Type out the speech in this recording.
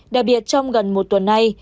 đặc biệt trong gần một tuần nay